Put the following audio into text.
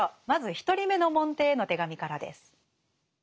まず１人目の門弟への手紙からです。